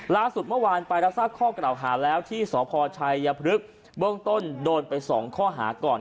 ล่าสุดเมื่อวานไปรับทราบข้อกล่าวหาแล้วที่สพชัยพฤกษ์เบื้องต้นโดนไป๒ข้อหาก่อน